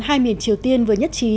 hai miền triều tiên vừa nhất trí